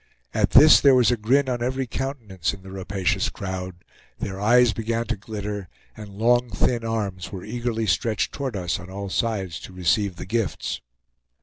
At this there was a grin on every countenance in the rapacious crowd; their eyes began to glitter, and long thin arms were eagerly stretched toward us on all sides to receive the gifts.